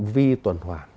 vi tuần hoàn